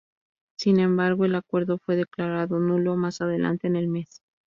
Sin embargo, el acuerdo fue declarado nulo más adelante en el mes.